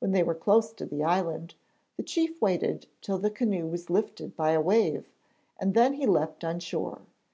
When they were close to the island, the chief waited till the canoe was lifted by a wave, and then he leaped on shore.